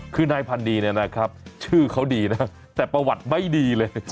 คือนายพันดีเนี่ยนะครับชื่อเขาดีนะแต่ประวัติไม่ดีเลย